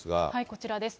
こちらです。